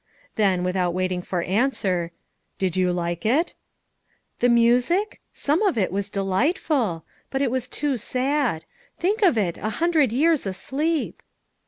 Then, without waiting for answer, "Did you like it?" "The music? Some of it was delightful; but it was too sad. Think of it, — a hundred years asleep!"